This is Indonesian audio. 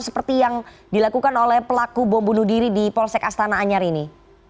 seperti yang dilakukan oleh pelaku bom bunuh diri di polsek astana anyar ini